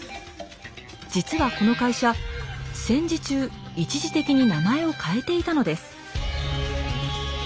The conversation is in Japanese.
実はこの会社戦時中一時的に名前を変えていたのです。